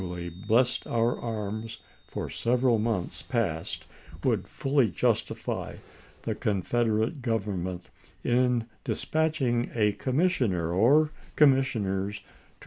ally blessed our arms for several months past McPner "* son, would fully justify the Confederate Government "^SUP in dispatching a commissioner or commissioners to Rep.